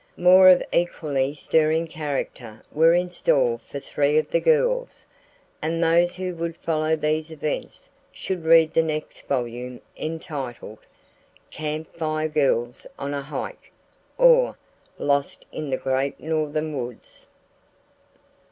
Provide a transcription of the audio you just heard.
More of equally stirring character were in store for three of the girls, and those who would follow these events should read the volume entitled: CAMP FIRE GIRLS ON A HIKE; or, LOST IN THE GREAT NORTHERN WOODS.